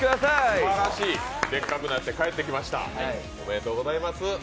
すばらしい、でっかくなって帰ってきました。